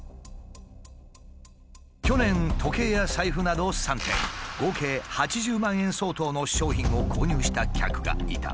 去年時計や財布など３点合計８０万円相当の商品を購入した客がいた。